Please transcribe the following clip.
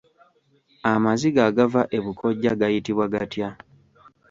Amaziga agava ebukojja gayitibwa gatya?